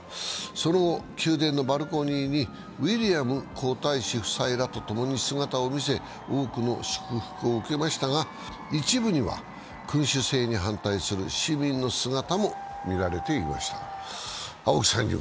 その後、宮殿のバルコニーにウィリアム皇太子夫妻らとともに姿を見せ多くの祝福を受けましたが、一部には君主制に反対する市民の姿も見られていました。